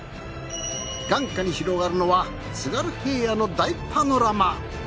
眼下に広がるのは津軽平野の大パノラマ。